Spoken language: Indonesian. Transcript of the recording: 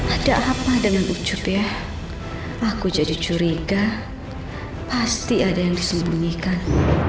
ada apa dengan ujub ya aku jadi curiga pasti ada yang disembunyikan